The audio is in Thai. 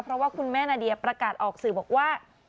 เพราะว่าคุณแม่นาเดียประกาศออกสื่อบอกว่า